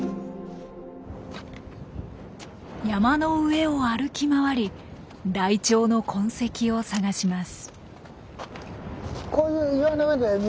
山の上を歩き回りライチョウの痕跡を探します。